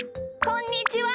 こんにちは。